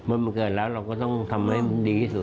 มันเกิดแล้วเราก็ต้องทำให้มันดีที่สุด